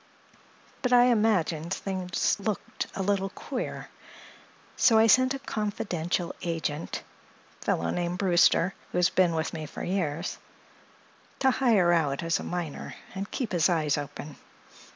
But I imagined things looked a little queer, so I sent a confidential agent—fellow named Brewster, who has been with me for years—to hire out as a miner and keep his eyes open.